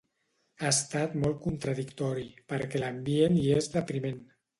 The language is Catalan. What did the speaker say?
Ha estat molt contradictori, perquè l’ambient hi és depriment.